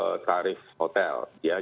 jadi tarif juga ini sudah diatur melalui